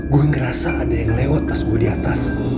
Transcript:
gue ngerasa ada yang lewat pas gue di atas